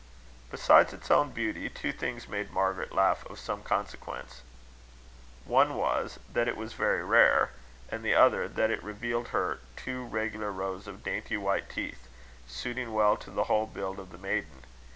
Besides its own beauty, two things made Margaret's laugh of some consequence; one was, that it was very rare; and the other, that it revealed her two regular rows of dainty white teeth, suiting well to the whole build of the maiden.